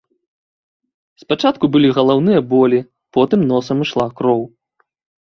Спачатку былі галаўныя болі, потым носам ішла кроў.